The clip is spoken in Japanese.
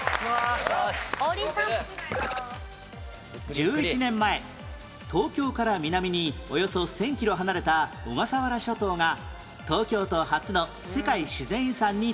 １１年前東京から南におよそ１０００キロ離れた小笠原諸島が東京都初の世界自然遺産に登録